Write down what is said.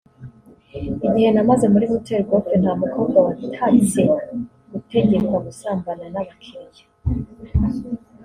“Igihe namaze muri Hotel Golf nta mukobwa watatse gutegekwa gusambana n’abakiliya”